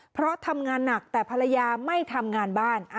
เพราะทำงานหนักแต่ภรรยาไม่ทำงานบ้าน